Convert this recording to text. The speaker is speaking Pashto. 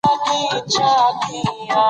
حاجي لالی به معلومات ورکول.